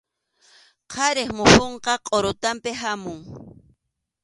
Qharip muhunqa qʼurutanpi hamun.